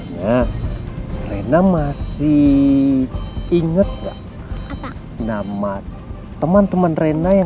karena dia pasti bawa inap